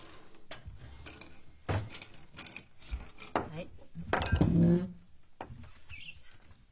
はい。